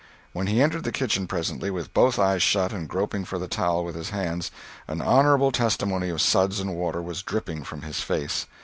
When he entered the kitchen presently, with both eyes shut and groping for the towel with his hands, an honorable testimony of suds and water was dripping from his face.